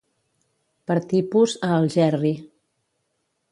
Per tipus, a Algerri.